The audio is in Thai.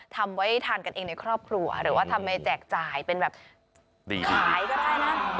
ทำให้ครอบครัวหรือว่าทำให้แจกจ่ายเป็นแบบขายก็ได้นะ